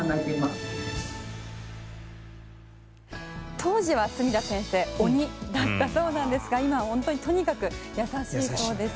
当時は住田先生は鬼だったそうなんですが今はとにかく優しいそうです。